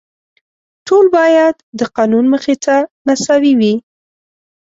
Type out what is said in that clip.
ټول باید د قانون مخې ته مساوي وي.